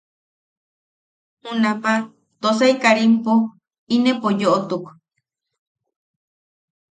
Junama Tosai Karimpo inepo yoʼotuk.